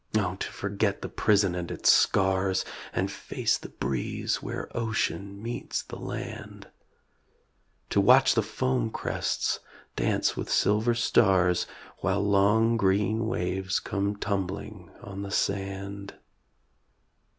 Oh, to forget the prison and its scars, And face the breeze where ocean meets the land; To watch the foam crests dance with silver stars, While long green waves come tumbling on the sand